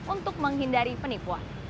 untuk menghindari penipuan